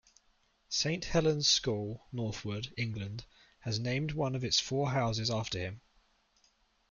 Saint Helen's School, Northwood, England has named one of its four houses after him.